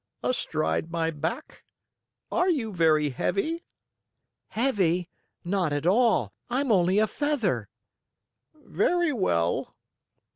"Astride my back. Are you very heavy?" "Heavy? Not at all. I'm only a feather." "Very well."